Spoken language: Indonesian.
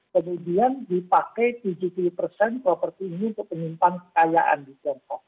kemudian dipakai tujuh puluh persen properti ini untuk penyimpan kekayaan di tiongkok